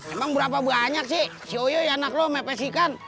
emang berapa banyak sih si oyo ya anak lo mepes ikan